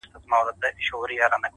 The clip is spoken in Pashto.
چی په عُقدو کي عقیدې نغاړي تر عرسه پوري